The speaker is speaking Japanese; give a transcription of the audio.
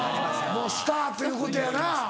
もうスターということやな。